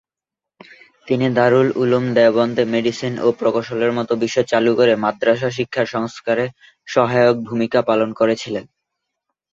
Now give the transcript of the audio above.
তিনি দারুল উলুম দেওবন্দে মেডিসিন ও প্রকৌশলের মতো বিষয় চালু করে "মাদ্রাসা" শিক্ষার সংস্কারে সহায়ক ভূমিকা পালন করেছিলেন।